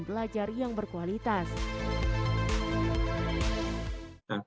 dan belajar yang berkualitas